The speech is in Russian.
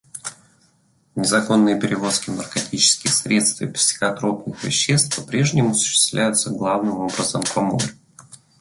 Незаконные перевозки наркотических средств и психотропных веществ по-прежнему осуществляются главным образом по морю.